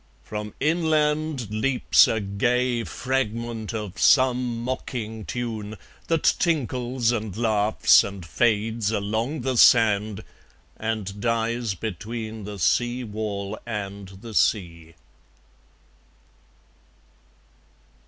From inland Leaps a gay fragment of some mocking tune, That tinkles and laughs and fades along the sand, And dies between the seawall and the sea.